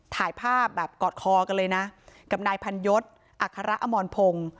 ถ่ายภาพแบบกอดคอกันเลยนะกับนายพันยศอัคระอมรพงศ์